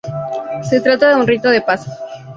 Se trata de un rito de paso.